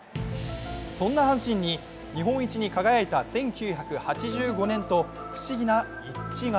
そんな阪神に日本一に輝いた１９８５年と不思議な一致が。